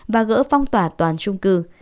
và gỡ phong tỏa toàn chung cư